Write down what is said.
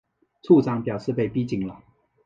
处长表示被逼紧了